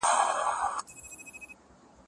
زه پرون د کتابتون پاکوالی کوم؟!